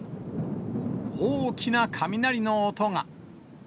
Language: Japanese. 大きな雷の音が。